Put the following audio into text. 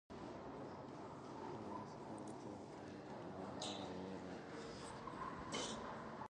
However, the school, which is located on Endicott Road, lies entirely within Boxford.